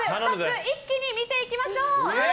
一気に見ていきましょう。